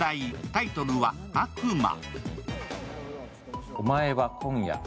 タイトルは「悪魔」。